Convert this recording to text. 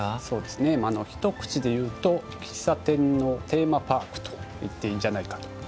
そうですね一口で言うと「喫茶店のテーマパーク」と言っていいんじゃないかと。